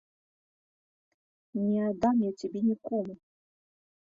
Не аддам я цябе нікому.